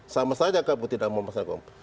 sama saja kpu tidak mau memaksa hukum